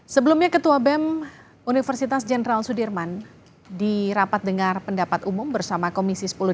sebelumnya ketua bem universitas jenderal sudirman dirapat dengar pendapat umum bersama komisi sudirman